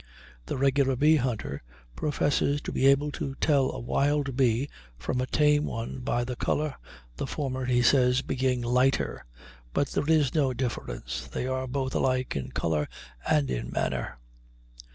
The regular bee hunter professes to be able to tell a wild bee from a tame one by the color, the former, he says, being lighter. But there is no difference; they are both alike in color and in manner.